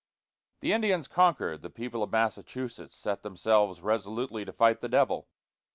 The Indians conquered, the people of Massachusetts set themselves resolutely to fight the devil.